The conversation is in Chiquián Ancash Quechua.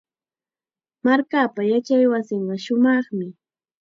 Markaapa yachaywasinqa shumaqmi.